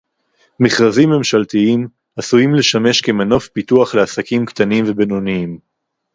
מכרזים ממשלתיים עשויים לשמש כמנוף פיתוח לעסקים קטנים ובינוניים